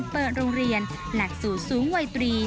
เปิดโรงเรียนหลักสูตรสูงวัยตรี